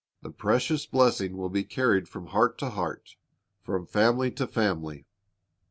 The precious blessing will be carried from heart to heart, from family to family.